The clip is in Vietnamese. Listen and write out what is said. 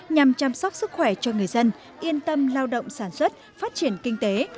nhằm chăm sóc sức khỏe cho người dân yên tâm lao động sản xuất phát triển kinh tế